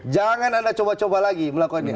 jangan anda coba coba lagi melakukan ini